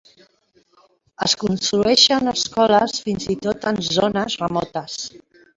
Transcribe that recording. Es construeixen escoles fins i tot en zones remotes.